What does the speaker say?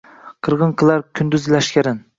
Qirgʼin qilar kunduz lashkarin.